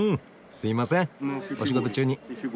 すいませんお仕事中に。